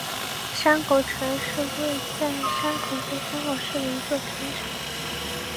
山口城是位在山口县山口市的一座平城。